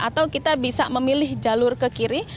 atau kita bisa memilih jalur ke kiri